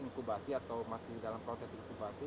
nah kalau kita masih dalam proses inkubasi